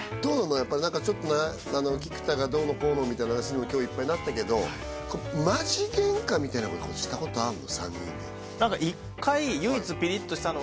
やっぱり何か菊田がどうのこうのみたいな話にも今日いっぱいなったけどマジげんかみたいなことしたことあんの？